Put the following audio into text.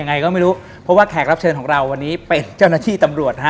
ยังไงก็ไม่รู้เพราะว่าแขกรับเชิญของเราวันนี้เป็นเจ้าหน้าที่ตำรวจฮะ